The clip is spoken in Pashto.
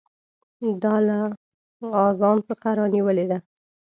دا له اذان څخه رانیولې ده.